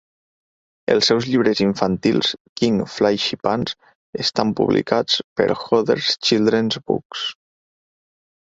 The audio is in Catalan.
Els seus llibres infantils "King Flashypants" estan publicats per Hodder Children's Books.